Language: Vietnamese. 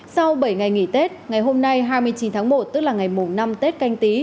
sau bảy ngày nghỉ tết ngày hôm nay hai mươi chín tháng một tức là ngày mùng năm tết canh tí